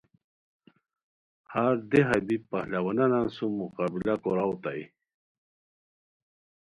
ہر دیہا بی پہلوانان سوم مقابلہ کوراؤ اوتائے